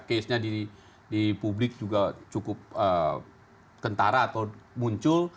casenya di publik juga cukup kentara atau muncul